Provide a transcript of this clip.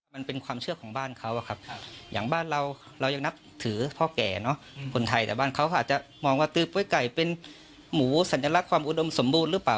มันเป็นความเชื่อของบ้านเขาอะครับอย่างบ้านเราเรายังนับถือพ่อแก่เนอะคนไทยแต่บ้านเขาอาจจะมองว่าตื้อกล้วยไก่เป็นหมูสัญลักษณ์ความอุดมสมบูรณ์หรือเปล่า